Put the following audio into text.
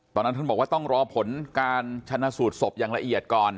ตอนนั้นท่านบอกว่าต้องรอผลการชนะสูตรศพอย่างละเอียดก่อน